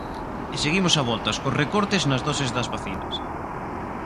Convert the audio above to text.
E seguimos a voltas cos recortes nas doses das vacinas.